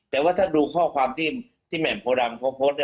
แต่ว่าถ้าดูข้อความที่เมนโพดำโพสต์